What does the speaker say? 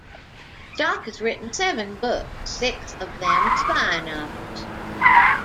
Stock has written seven books, six of them spy novels.